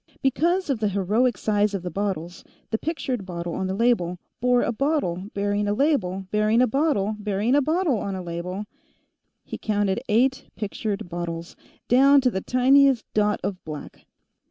Because of the heroic size of the bottles, the pictured bottle on the label bore a bottle bearing a label bearing a bottle bearing a bottle on a label.... He counted eight pictured bottles, down to the tiniest dot of black.